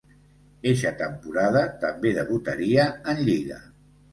Eixa temporada també debutaria en lliga.